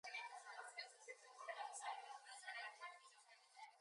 Swanland has a village hall, operating as a registered charity.